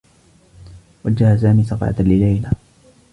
وجّه سامي صفعة لليلى.